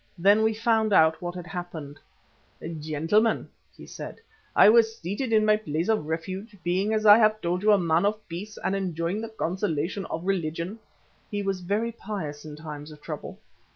Then we found out what had happened. "Gentlemen," he said, "I was seated in my place of refuge, being as I have told you a man of peace, enjoying the consolation of religion" he was very pious in times of trouble.